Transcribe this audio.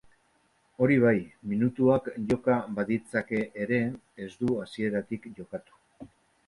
Hori bai, minutuak joka baditzake ere ez du hasieratik jokatu.